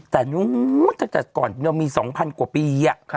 แต่ตั้งแต่ก่อนมี๒๐๐๐กว่าปี